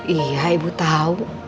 iya ibu tahu